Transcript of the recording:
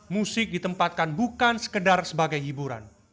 musik ditempatkan bukan sekedar sebagai hiburan